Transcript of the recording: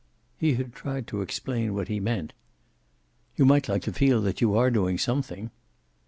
He had tried to explain what he meant. "You might like to feel that you are doing something."